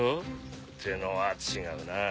ってのは違うなぁ。